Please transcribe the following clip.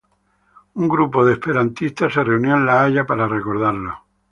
Un grupo de esperantistas se reunió en La Haya para recordarlo.